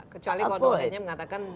kecuali court ordernya mengatakan